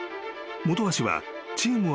［本橋はチーム